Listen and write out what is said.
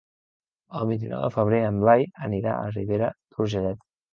El vint-i-nou de febrer en Blai anirà a Ribera d'Urgellet.